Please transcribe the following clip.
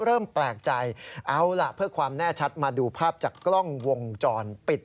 เริ่มแปลกใจเอาล่ะเพื่อความแน่ชัดมาดูภาพจากกล้องวงจรปิด